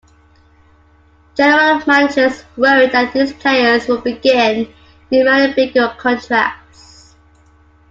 General managers worried that these players would begin demanding bigger contracts.